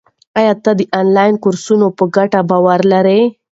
آیا ته د انلاین کورسونو په ګټه باور لرې؟